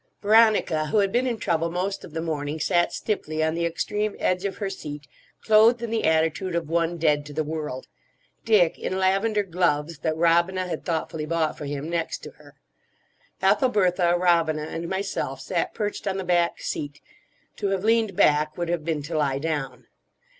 Veronica, who had been in trouble most of the morning, sat stiffly on the extreme edge of her seat, clothed in the attitude of one dead to the world; Dick, in lavender gloves that Robina had thoughtfully bought for him, next to her. Ethelbertha, Robina, and myself sat perched on the back seat; to have leaned back would have been to lie down.